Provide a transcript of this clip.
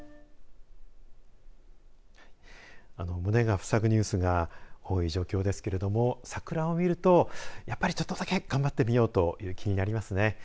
胸がふさぐニュースが多い状況ですけれども桜を見るとやっぱりちょっとだけ頑張ってみようという気になりますね。